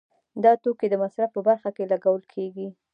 دا توکي د مصرف په برخه کې لګول کیږي.